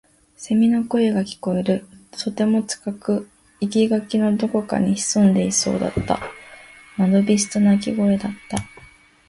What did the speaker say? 蝉の声が聞こえる。とても近く。生垣のどこかに潜んでいそうだった。間延びした鳴き声だった。